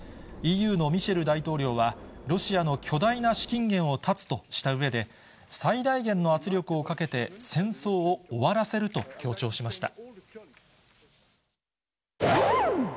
ＥＵのミシェル大統領は、ロシアの巨大な資金源を断つとしたうえで、最大限の圧力をかけて戦争を終わらせると強調しました。